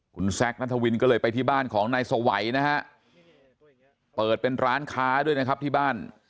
คุณแซคนัทวินก็เลยไปที่บ้านของนายสวัยนะฮะเปิดเป็นร้านค้าด้วยนะครับที่บ้าน